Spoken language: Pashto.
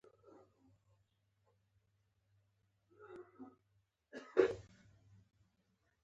دواړه، اړتیا پوری اړه لری